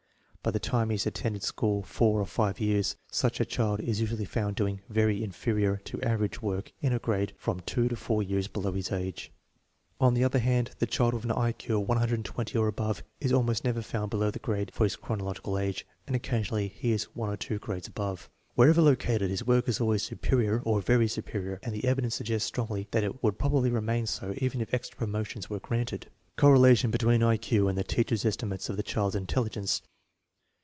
By the time he has attended school four or five years, such a child is usually found doing " very inferior " to " average " work in a grade from two to four years below his age. On the other hand, the child with an I Q of 120 or above is almost never found below the grade for his chronological age, and occasionally he is one or two grades above. Wher ever located, his work is always *' superior " or " very superior/* and the evidence suggests strongly that it would probably remain so even if extra promotions were granted. Correlation between I Q and the teachers* estimates of the children's intelligence.